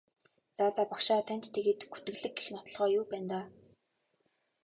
За за багшаа танд тэгээд гүтгэлэг гэх нотолгоо юу байна даа?